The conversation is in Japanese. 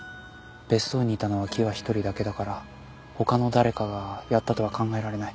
別荘にいたのは喜和一人だけだから他の誰かがやったとは考えられない。